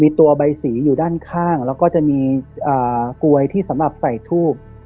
มีตัวใบสีอยู่ด้านข้างแล้วก็จะมีกลวยที่สำหรับใส่ทูบ